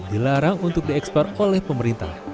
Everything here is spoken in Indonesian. dilarang untuk diekspor oleh pemerintah